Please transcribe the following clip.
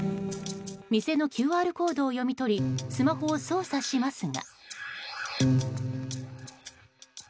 店のＱＲコードを読み取りスマホを操作しますが。